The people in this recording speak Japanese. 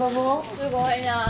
すごいなぁ。